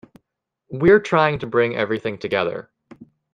We're trying to bring everything together.